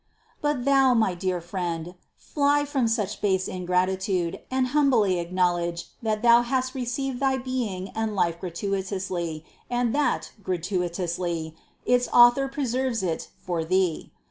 359. But thou, my dear friend, fly from such base in gratitude, and humbly acknowledge that thou hast re ceived thy being and life gratuitously, and that, gratui tously, its Author preserves it for thee.